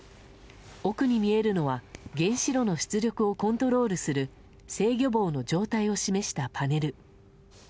奥に見えるのは原子炉の出力をコントロールする制御棒の状態を示したパネル。